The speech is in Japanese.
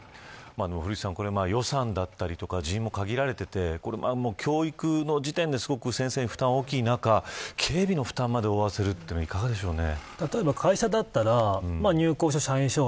予算だったりとか人員も限られていて教育の時点ですごく先生に負担が大きい中警備の負担まで負わせるのはいかがでしょうね。